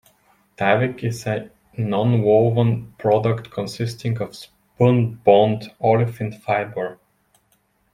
Tyvek is a nonwoven product consisting of spunbond olefin fiber.